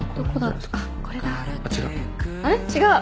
違う。